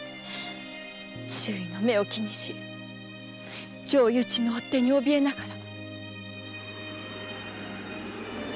周囲の目を気にし上意討ちの追手に怯えながら。